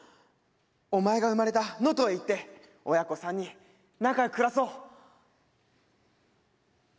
お前が生まれた能登へ行って親子３人仲良く暮らそう。